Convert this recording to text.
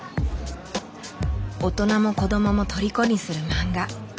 大人も子どももとりこにするマンガ。